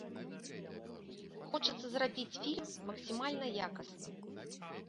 Хочацца зрабіць фільм максімальна якасна.